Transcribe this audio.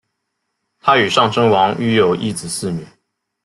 她与尚贞王育有一子四女。